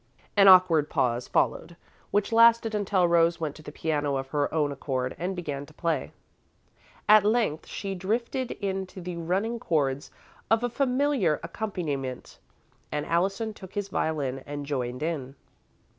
An awkward pause followed, which lasted until Rose went to the piano of her own accord and began to play. At length she drifted into the running chords of a familiar accompaniment and Allison took his violin and joined in.